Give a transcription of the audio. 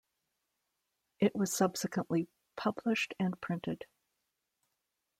It was subsequently published and printed.